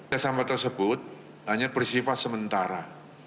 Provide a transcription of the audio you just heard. kerjasama tersebut hanya bersifat sementara